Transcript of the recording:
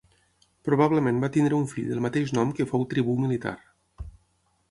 Probablement va tenir un fill del mateix nom que fou tribú militar.